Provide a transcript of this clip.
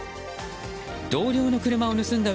同僚の車を盗んだ